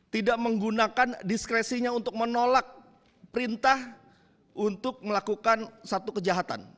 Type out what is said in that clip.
tidak menggunakan diskresinya untuk menolak perintah untuk melakukan satu kejahatan